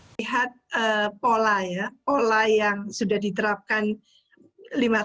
melihat pola ya pola yang sudah diterapkan